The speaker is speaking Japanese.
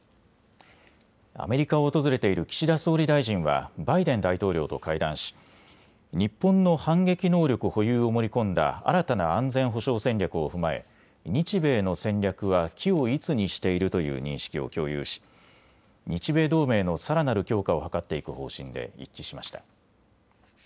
アメリカを訪れている岸田総理大臣はバイデン大統領と会談し日本の反撃能力保有を盛り込んだ新たな安全保障戦略を踏まえ日米の戦略は軌を一にしているという認識を共有し日米同盟のさらなる強化を図っていく方針で一致しました。